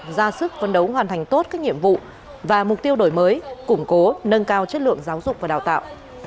ra sức vấn đấu hoàn thành tốt các nhiệm vụ và mục tiêu đổi mới củng cố nâng cao chất lượng giáo dục và đào tạo